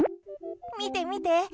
見て見て！